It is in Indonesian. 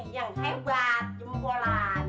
yang hebat jempolan